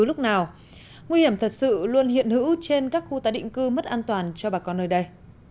lúc nào nguy hiểm thật sự luôn hiện hữu trên các khu tái định cư mất an toàn cho bà con nơi đây